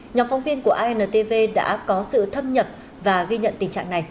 nhóm phóng viên của intv đã có sự thâm nhập và ghi nhận tình trạng này